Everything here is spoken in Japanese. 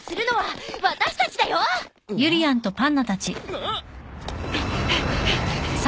あっ！